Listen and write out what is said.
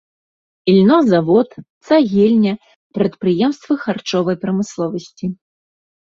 Ільнозавод, цагельня, прадпрыемствы харчовай прамысловасці.